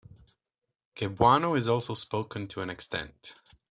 Cebuano is also spoken to an extent.